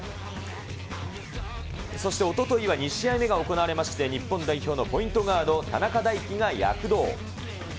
そしておとといは２試合目が行われまして、日本代表のポイントガード、田中大貴が躍動。